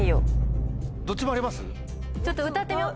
ちょっと歌ってみよう。